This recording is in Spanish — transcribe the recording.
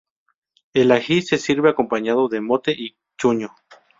El ají se sirve acompañado de mote y chuño.